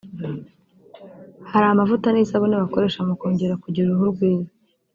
hari amavuta n’isabune bakoresha mukongera kugira uruhu rwiza